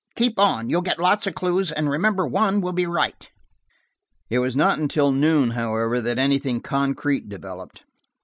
"Keep on; you'll get lots of clues, and remember one will be right." It was not until noon, however, that anything concrete developed.